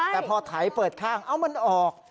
แต่พอไถเปิดข้างเอามันออก